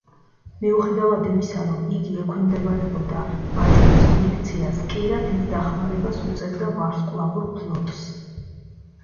მიუხედავად იმისა რომ იგი ექვემდებარებოდა ბაჯორის მილიციას, კირა დიდ დახმარებას უწევდა ვარსკვლავურ ფლოტს.